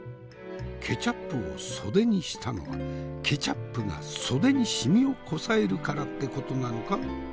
ケチャップを袖にしたのはケチャップが袖にシミをこさえるからってことなのか？